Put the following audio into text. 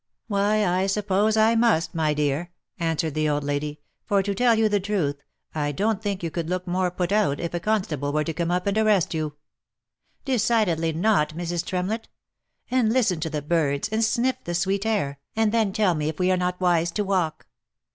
" Why, I suppose I must, my dear," answered the old lady ;" for to tell you the truth, I don't think you could look more put out if a constable were to come up and arrest you." " Decidedly not, Mrs. Tremlett ; and listen to the birds, and sniff the sweet air, and then tell me if we are not wise to walk